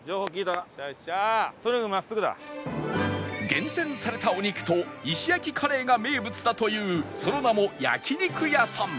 厳選されたお肉と石焼きカレーが名物だというその名もヤキニクヤサン